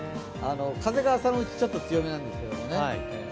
風が朝のうち、ちょっと強めなんですね。